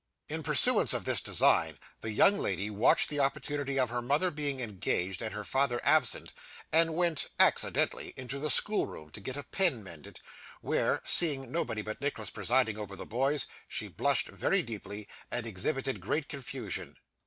In pursuance of this design, the young lady watched the opportunity of her mother being engaged, and her father absent, and went accidentally into the schoolroom to get a pen mended: where, seeing nobody but Nicholas presiding over the boys, she blushed very deeply, and exhibited great confusion.